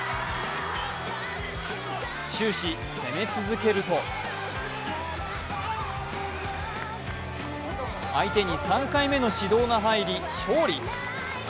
終始、攻め続けると相手に３回目の指導が入り勝利。